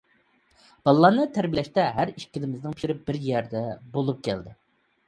بالىلارنى تەربىيەلەشتە ھەر ئىككىلىمىزنىڭ پىكرى بىر يەردە بولۇپ كەلدى.